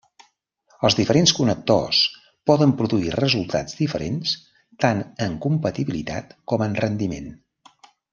Els diferents connectors poden produir resultats diferents tant en compatibilitat com en rendiment.